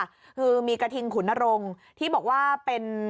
คือมีกระทิงขุนนรงค์ที่บอกว่าเป็น